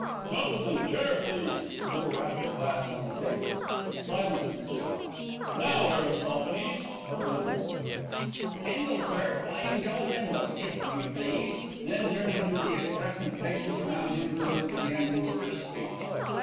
"Gentlemen, chair, please." Little rapped a glass on the table. Silence ensued. "Now, Aristophanes," to Bindle. "Bindle, sir, plain Joe Bindle, if you please." Then turning to the expectant faces round him Bindle began his first speech.